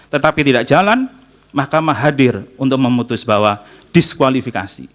tetapi tidak jalan mahkamah hadir untuk memutus bahwa diskualifikasi